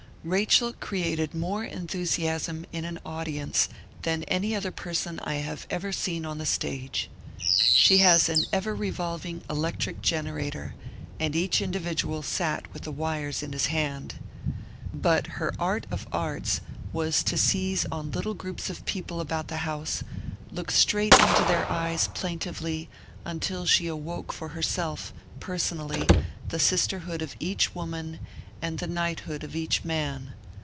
Rachel created more enthusiasm in an audience than any other person I have ever seen on the stage. She was an ever revolving electric generator — and each individual sat with the wires in his hand. But her art of arts was to seize on little groups of people about the house, look straight into their eyes plaintively, until she awoke for herself, personally, the sister hood of each woman and the knighthood of each man.